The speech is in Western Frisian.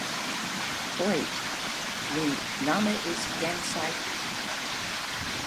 Hoi, myn namme is Ken Saitou.